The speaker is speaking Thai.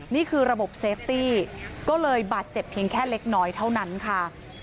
นี่คือระบบเซฟตี้ก็เลยบาดเจ็บเพียงแค่เล็กน้อยเท่านั้นค่ะ